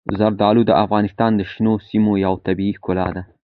زردالو د افغانستان د شنو سیمو یوه طبیعي ښکلا ده.